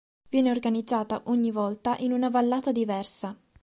Viene organizzata ogni volta in una vallata diversa.